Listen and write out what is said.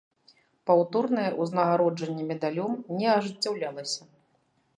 Паўторнае ўзнагароджанне медалём не ажыццяўлялася.